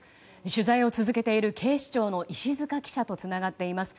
取材を続けている警視庁の石塚記者とつながっています。